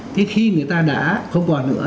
thì khi người ta đã không còn nữa